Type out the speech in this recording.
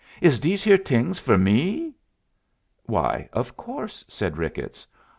"Is dese here t'ings for me?" "Why, of course," said Ricketts.